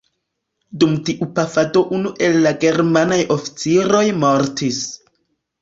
Dum tiu pafado unu el la germanaj oficiroj mortis.